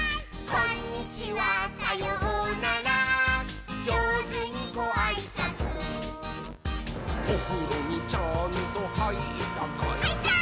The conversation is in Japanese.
「こんにちはさようならじょうずにごあいさつ」「おふろにちゃんとはいったかい？」はいったー！